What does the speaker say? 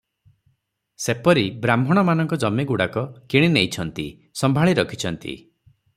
ସେପରି ବ୍ରାହ୍ମଣମାନଙ୍କ ଜମିଗୁଡ଼ିକ କିଣିନେଇଛନ୍ତି, ସମ୍ଭାଳି ରଖିଛନ୍ତି ।